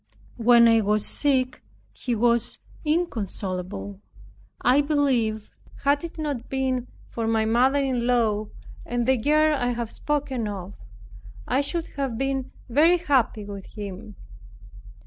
When I was sick, he was inconsolable. I believe, had it not been for my mother in law, and the girl I have spoken of, I should have been very happy with him.